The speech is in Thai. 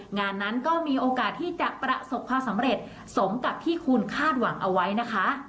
งานนั้นก็มีโอกาสที่จะประสบความสำเร็จสมกับที่คุณคาดหวังเอาไว้นะคะ